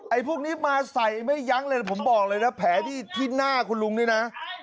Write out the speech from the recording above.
พวกนี้มาใส่ไม่ยั้งเลยผมบอกเลยนะแผลที่หน้าคุณลุงนี่นะ